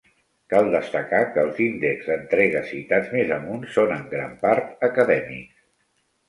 Cal destacar que els índexs d'entrega citats més amunt són en gran part acadèmics.